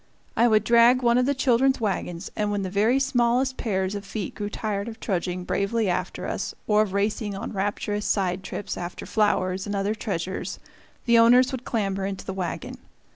I would drag one of the children's wagons; and when the very smallest pairs of feet grew tired of trudging bravely after us, or of racing on rapturous side trips after flowers and other treasures, the owners would clamber into the wagon.